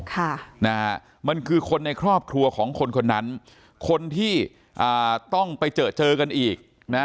ค่ะนะฮะมันคือคนในครอบครัวของคนคนนั้นคนที่อ่าต้องไปเจอเจอกันอีกนะ